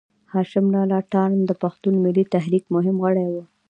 هاشم لالا تارڼ د پښتون ملي تحريک مهم غړی و.